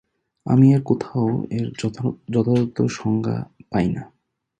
আমি এর কোথাও এর যথাযথ সংজ্ঞা পাই না।